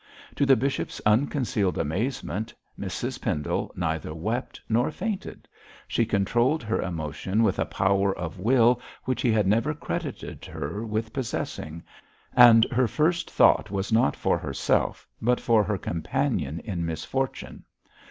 To the bishop's unconcealed amazement, Mrs Pendle neither wept nor fainted; she controlled her emotion with a power of will which he had never credited her with possessing, and her first thought was not for herself, but for her companion in misfortune.